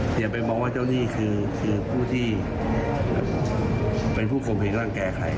อย่าไปมองว่าเจ้าหนี้คือผู้ที่เป็นผู้คมเหงร่างแก่ใคร